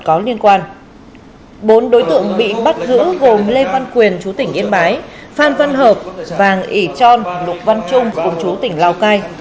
cơ quan bốn đối tượng bị bắt giữ gồm lê văn quyền chú tỉnh yên bái phan văn hợp vàng ỉ tron lục văn trung chú tỉnh lào cai